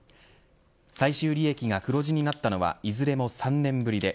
最終利益が黒字になったのはいずれも３年ぶりで